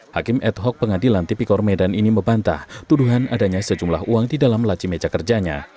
hakim ad hoc pengadilan tipikor medan ini membantah tuduhan adanya sejumlah uang di dalam laci meja kerjanya